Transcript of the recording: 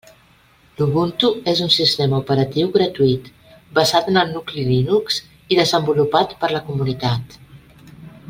L'Ubuntu és un sistema operatiu gratuït, basat en el nucli Linux i desenvolupat per la comunitat.